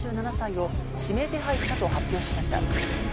３７歳を指名手配したと発表しました。